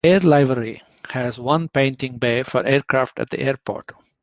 Air Livery has one painting bay for aircraft at the airport.